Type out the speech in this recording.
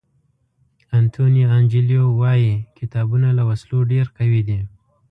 انټوني انجیلو وایي کتابونه له وسلو ډېر قوي دي.